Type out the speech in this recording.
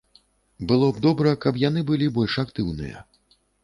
Было б добра, каб яны былі больш актыўныя.